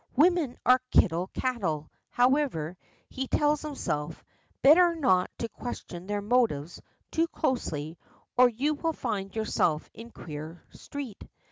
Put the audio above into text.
Women are kittle cattle, however, he tells himself; better not to question their motives too closely or you will find yourself in queer street.